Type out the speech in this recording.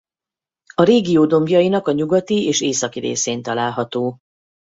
A régió dombjainak a nyugati és északi részén található.